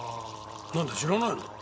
なんだ知らないの？